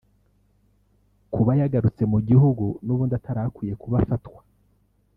kuba yagarutse mu gihugu n’ubundi atari akwiye kuba afatwa